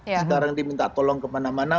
sekarang diminta tolong kemana mana